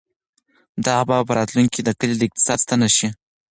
دا باغ به په راتلونکي کې د کلي د اقتصاد ستنه شي.